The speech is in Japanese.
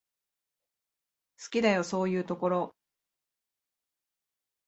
好きだよ、そういうところ。